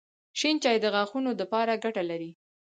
شېن چای د غاښونو دپاره ګټه لري